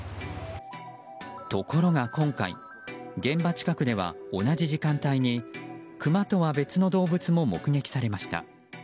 ところが今回現場近くでは同じ時間帯にクマとは別の動物も目撃されました。